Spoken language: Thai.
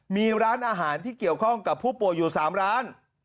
มีร้านอาหารที่เกี่ยวข้องกับผู้ป่วยอยู่๓ร้าน